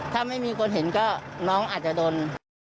ถ้าไม่มีคนเห็นก็น้องอาจจะโดน